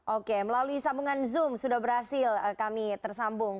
oke melalui sambungan zoom sudah berhasil kami tersambung